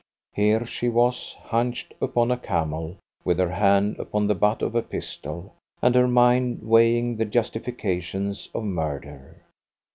Here she was, hunched upon a camel, with her hand upon the butt of a pistol, and her mind weighing the justifications of murder.